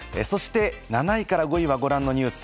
７位から５位はご覧のニュース。